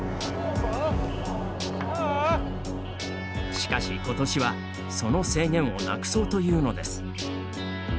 しかしことしはその制限をなくそうというのです。